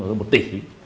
rồi một tỷ